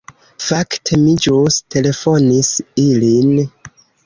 "Fakte, mi ĵus telefonis ilin."